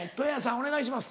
お願いします。